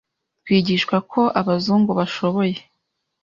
twigishwa ko abazungu bashoboye